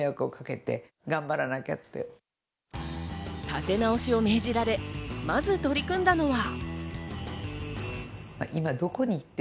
立て直しを命じられ、まず取り組んだのは。